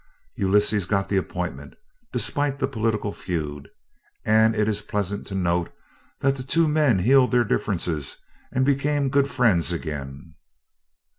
Ulysses got the appointment, despite the political feud, and it is pleasant to note that the two men healed their differences and became good friends again.